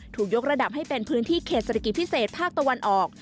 ถูกยกระดับให้เป็นพื้นที่เขตเศรษฐกิจพิเศษภาคตะวันออก